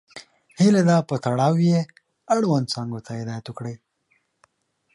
هیله ده په تړاو یې اړوند څانګو ته هدایت وکړئ.